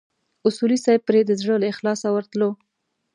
اصولي صیب پرې د زړه له اخلاصه ورتلو.